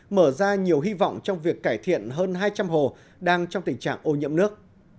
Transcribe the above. mở ra nhiều hy vọng trong việc cải thiện hơn hai trăm linh hồ đang trong tình trạng ô nhiễm nước